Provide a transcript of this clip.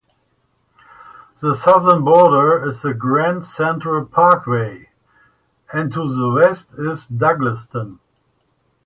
The southern border is the Grand Central Parkway, and to the west is Douglaston.